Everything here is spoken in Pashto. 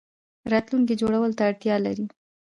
راتلونکی جوړولو ته اړتیا لري